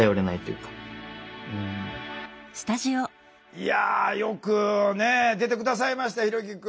いやよく出て下さいましたひろきくん。